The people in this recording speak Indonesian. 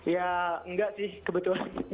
ya enggak sih kebetulan